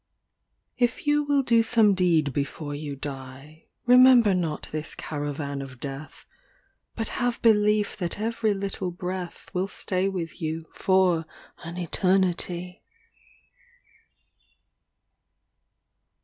XL VII If you will do some deed before you die, Remember not this caravan of death, But have belief that every little breath Will stay with you for an eternity.